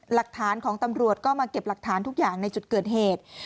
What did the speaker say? หลักฐานของตำรวจก็มาเก็บหลักฐานทุกอย่างในจุดเกิดเหตุ